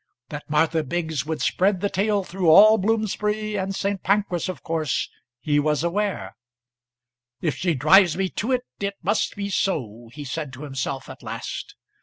That Martha Biggs would spread the tale through all Bloomsbury and St. Pancras of course he was aware. "If she drives me to it, it must be so," he said to himself at last.